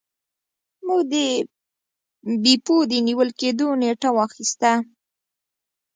موږ د بیپو د نیول کیدو نیټه واخیسته.